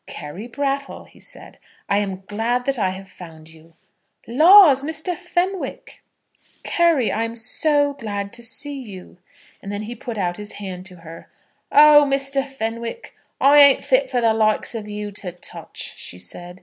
"Carry Brattle," he said, "I am glad that I have found you." "Laws, Mr. Fenwick!" "Carry, I am so glad to see you;" and then he put out his hand to her. "Oh, Mr. Fenwick, I ain't fit for the likes of you to touch," she said.